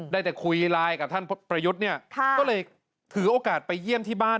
ได้แต่คุยไลน์กับท่านประยุทธ์เนี่ยก็เลยถือโอกาสไปเยี่ยมที่บ้าน